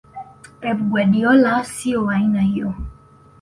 Pep Guardiola sio wa aina hiyo